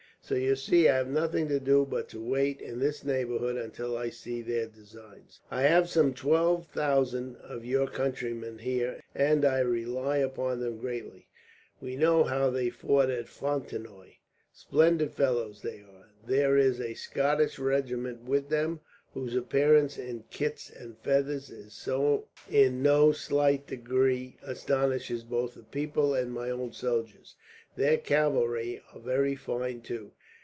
So you see, I have nothing to do but to wait in this neighbourhood until I see their designs. "I have some twelve thousand of your countrymen here, and I rely upon them greatly. We know how they fought at Fontenoy. Splendid fellows they are. There is a Scotch regiment with them, whose appearance in kilts and feathers in no slight degree astonishes both the people and my own soldiers. Their cavalry are very fine, too.